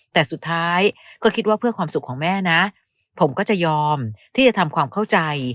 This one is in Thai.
แต่สุดท้ายก็คิดว่าเพื่อความสุขของแม่นะผมก็จะยอมที่จะทำความเข้าใจ